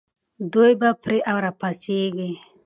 دوی به پرې راپارېږي.